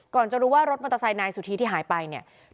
จะรู้ว่ารถมอเตอร์ไซค์นายสุธีที่หายไปเนี่ย